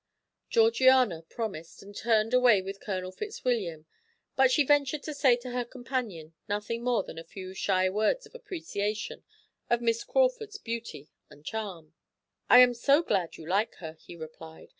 Georgiana promised, and turned away with Colonel Fitzwilliam, but she ventured to say to her companion nothing more than a few shy words of appreciation of Miss Crawford's beauty and charm. "I am so glad you like her," he replied.